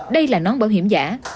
đây là nón bảo hiểm giả